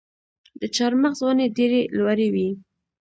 د چهارمغز ونې ډیرې لوړې وي.